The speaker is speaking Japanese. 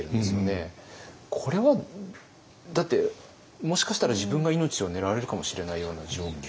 これはだってもしかしたら自分が命を狙われるかもしれないような状況。